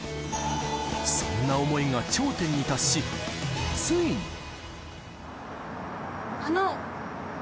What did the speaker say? そんな思いが頂点に達し、あの！